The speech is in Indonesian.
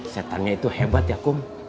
setannya itu hebat ya kum